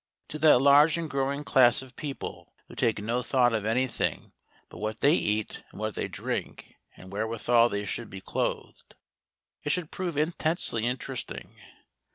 To that large and growing class of people who take no thought of anything but what they eat and what they drink, and wherewithal they should be clothed, it should prove intensely interesting.